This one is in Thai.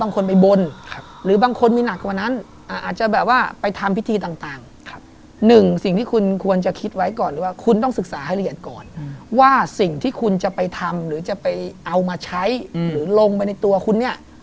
ทั้งคู่ยังไม่เคยถูกคุณพัฒน์เอามาใช้งาน